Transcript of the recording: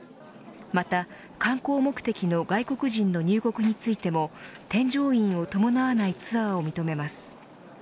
また、観光目的の外国人の入国についても添乗員を伴わないツアーを認めます。